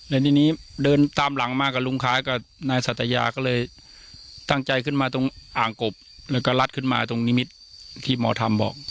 แล้วทีนี้เดินตามหลังมากับลุงคล้ายกับนายสัตยาก็เลยตั้งใจขึ้นมาตรงอ่างกบแล้วก็รัดขึ้นมาตรงนิมิตรที่หมอทำบอก